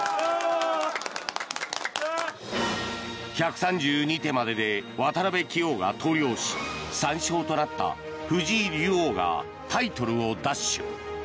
１３２手までで渡辺棋王が投了し３勝となった藤井竜王がタイトルを奪取。